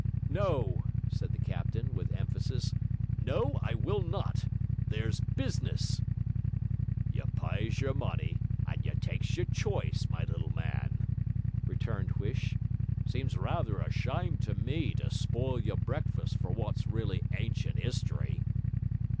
'No!' said the captain, with emphasis; 'no, I will not! there's business.' 'You p'ys your money and you tykes your choice, my little man,' returned Huish. 'Seems rather a shyme to me to spoil your breakfast for wot's really ancient 'istory.'